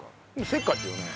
せっかちだよね？